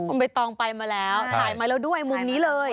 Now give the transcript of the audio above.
คุณใบตองไปมาแล้วถ่ายมาแล้วด้วยมุมนี้เลย